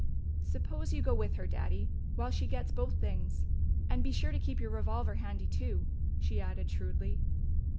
"Suppose you go with her, Daddy, while she gets both things. And be sure to keep your revolver handy, too," she added shrewdly.